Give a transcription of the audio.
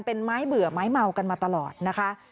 เป็นไม้เบื่อไม้เมากันมาตลอดนะคะ